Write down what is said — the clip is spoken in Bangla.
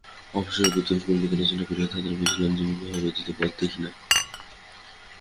অবশেষে প্রতিদিন ক্রমিক আলোচনা করিয়া তাহাকে বুঝাইলাম যে, বিবাহ ব্যতীত পথ দেখি না।